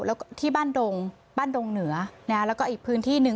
แล้วก็ที่บ้านดงบ้านดงเหนือแล้วก็อีกพื้นที่หนึ่ง